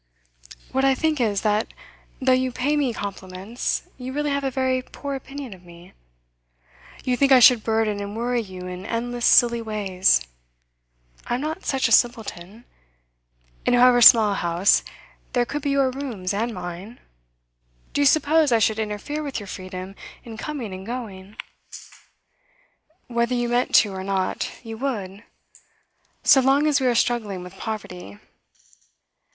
'What I think is, that, though you pay me compliments, you really have a very poor opinion of me. You think I should burden and worry you in endless silly ways. I am not such a simpleton. In however small a house, there could be your rooms and mine. Do you suppose I should interfere with your freedom in coming and going?' 'Whether you meant to or not, you would so long as we are struggling with poverty.